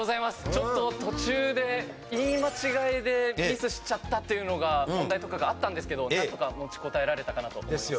ちょっと途中で言い間違いでミスしちゃったっていうのが問題とかがあったんですけどなんとか持ちこたえられたかなと思います。